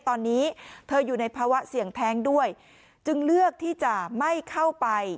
ตอนนี้เธออยู่ในภาวะเสี่ยงแท้งด้วยจึงเลือกที่จะไม่เข้าไป